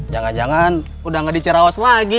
jangan jangan udah gak diceraos lagi